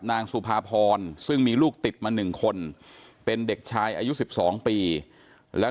นางสุภาพรซึ่งมีลูกติดมา๑คนเป็นเด็กชายอายุ๑๒ปีแล้ว